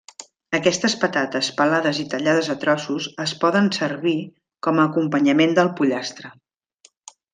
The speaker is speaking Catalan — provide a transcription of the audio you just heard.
Aquestes patates pelades i tallades a trossos es poden servir com a acompanyament del pollastre.